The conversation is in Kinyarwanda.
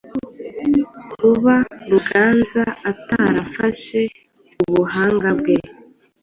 Kuba Ruganza atarafashe ubuhanga bwe